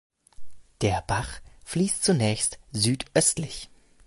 Der Bach fließt zunächst südöstlich.